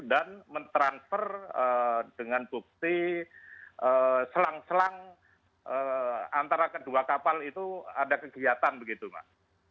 dan mentransfer dengan bukti selang selang antara kedua kapal itu ada kegiatan begitu mbak